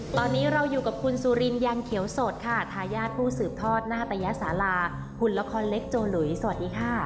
ตอนนี้เราอยู่กับคุณสุรินยังเขียวสดค่ะทายาทผู้สืบทอดนาตยสาราหุ่นละครเล็กโจหลุยสวัสดีค่ะ